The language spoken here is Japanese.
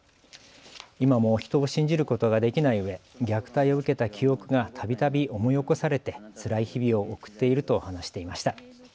今も人を信じることができないうえ虐待を受けた記憶がたびたび思い起こされて、つらい日々を送っていると話していました。